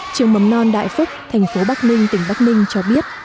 trường mầm non đại phúc thành phố bắc ninh tỉnh bắc ninh cho biết